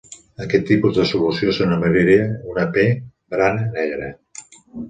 Aquest tipus de solució s'anomenaria una "p"-brana negra.